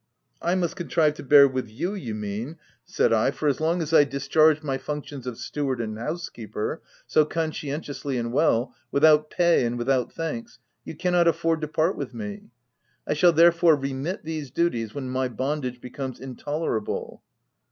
" I must contrive to bear with you you mean," 332 THE TENANT said I, *i for as long as I discharge my functions of steward and housekeeper, so conscienciously and well, without pay and without thanks, you cannot afford to part with me. I shall there fore remit these duties when my bondage be comes intolerable."